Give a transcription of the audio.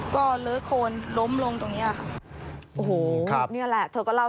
โดดลงรถหรือยังไงครับ